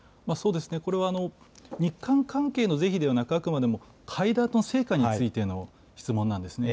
これは日韓関係の是非ではなく、あくまでも会談の成果についての質問なんですね。